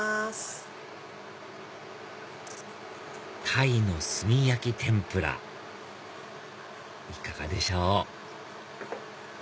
タイの炭焼き天ぷらいかがでしょう？